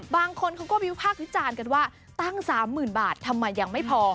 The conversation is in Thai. บางคนเขาก็วิพากษ์วิจารณ์กันว่าตั้ง๓๐๐๐บาททำไมยังไม่พอ